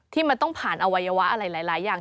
ที่มันต้องผ่านอวัยวะอะไรหลายอย่าง